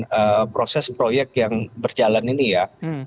karena proses proyek yang berjalan ini ya